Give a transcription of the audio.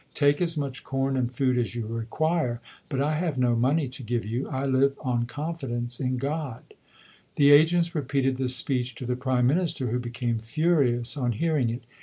Take as much corn and food as you require, but I have no money to give you. I live on confidence in God/ The agents repeated this speech to the Prime Minister, who became furious on hearing it.